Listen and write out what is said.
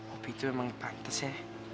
opi itu memang pantes ya